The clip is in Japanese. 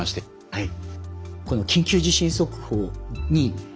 はい。